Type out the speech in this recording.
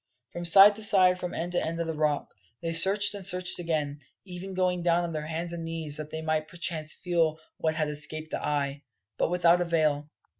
From side to side, from end to end of the Rock, they searched and searched again, even going down on their hands and knees that they might perchance feel what had escaped the eye, But without avail.